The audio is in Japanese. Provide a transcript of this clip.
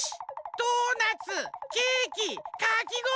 ドーナツケーキかきごおりだ！